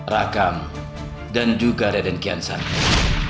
rakam dan juga reden kian santang